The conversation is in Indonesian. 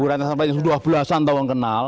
murad nasarumpur yang dua belasan tahun kenal